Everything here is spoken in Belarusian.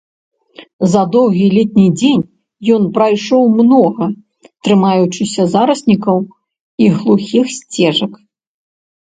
За доўгі летні дзень ён прайшоў многа, трымаючыся зараснікаў і глухіх сцежак.